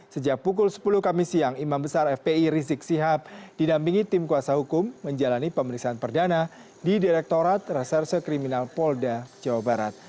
sejak pukul sepuluh kami siang imam besar fpi rizik sihab didampingi tim kuasa hukum menjalani pemeriksaan perdana di direktorat reserse kriminal polda jawa barat